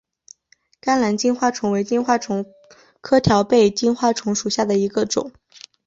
甘蓝金花虫为金花虫科条背金花虫属下的一个种。